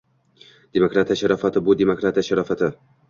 Demokratiya sharofati bu, demokratiya sharofati».